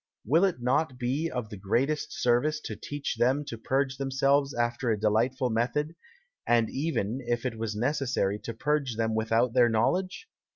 Will it not be of the greatest Service to teach them to purge themselves after a delightful Method, and even, if it was necessary, to purge them without their knowledge?